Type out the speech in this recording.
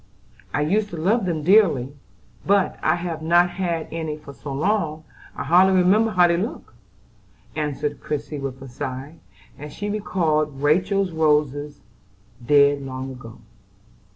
"I used to love them dearly; but I have not had any for so long I hardly remember how they look," answered Christie with a sigh, as she recalled Rachel's roses, dead long ago.